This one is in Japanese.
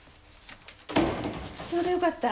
ちょうどよかった。